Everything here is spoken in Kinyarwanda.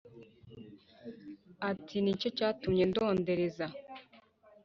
Ati: "Ni cyo cyatumye ndondereza!